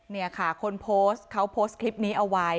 นี่ค่ะคนโพสต์เขาโพสต์คลิปนี้เอาไว้